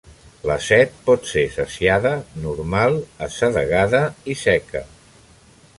La set pot ser "saciada", "normal", "assedegada" i "seca".